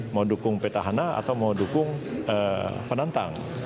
mau dukung petahana atau mau dukung penantang